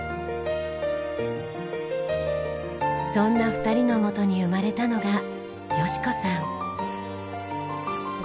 そんな２人の元に生まれたのが芳子さん。